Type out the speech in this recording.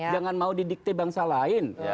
jangan mau didikte bangsa lain